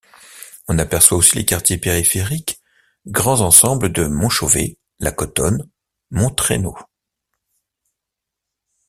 On aperçoit aussi les quartiers périphériques, grands ensembles de Montchovet, la Cotonne, Montreynaud.